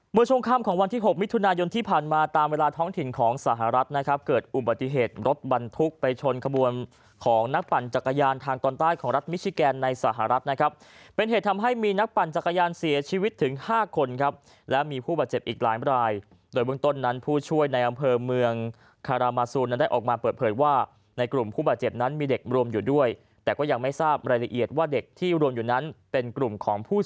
มือชงคำของวันที่๖มิถุนายนที่ผ่านมาตามเวลาท้องถิ่นของสหรัฐนะครับเกิดอุบัติเหตุรถบรรทุกไปชนกลุ่มของนักปั่นจักรยานทางตอนใต้ของรัฐมิชิแกนในสหรัฐนะครับเป็นเหตุทำให้มีนักปั่นจักรยานเสียชีวิตถึงห้าคนครับและมีผู้บาดเจ็บอีกหลายบรรยายโดยเบื้องต้นนั้นผู้ช่วยในอำเภอเมือง